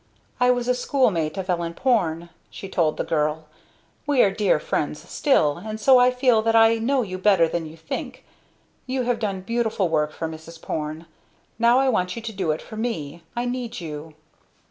"I was a schoolmate of Ellen Porne," she told the girl. "We are dear friends still; and so I feel that I know you better than you think. You have done beautiful work for Mrs. Porne; now I want you to do to it for me. I need you."